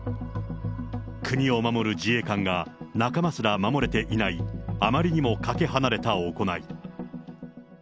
国を守る自衛官が仲間すら守れていない、あまりにもかけ離れた行い。